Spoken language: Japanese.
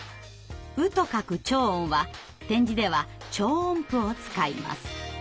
「う」と書く長音は点字では長音符を使います。